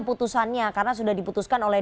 putusannya karena sudah diputuskan oleh